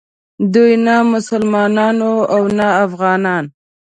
دوی نه مسلمانان وو او نه افغانان.